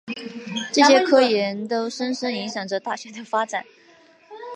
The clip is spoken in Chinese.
这些科研都深深影响着大学的发展。